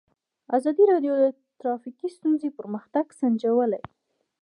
ازادي راډیو د ټرافیکي ستونزې پرمختګ سنجولی.